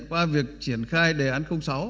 qua việc triển khai đề án sáu